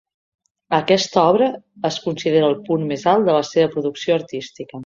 Aquesta obra es considera el punt més alt de la seva producció artística.